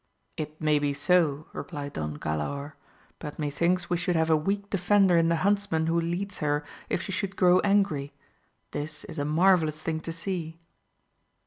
It may be so, replied Don Galaor, but methinks we should have a weak defender in the huntsman who leads her if she should grow angry; this is a marvellgus thing to see